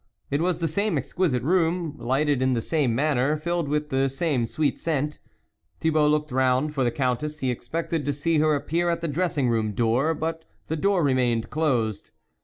It was the same exquisite room, lighted in the same manner, filled with the same sweet scent. Thibault looked round for the Countess, he expected to see her appear at the dressing room door, but the door remained closed.